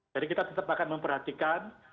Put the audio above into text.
jadi kita tetap akan memperhatikan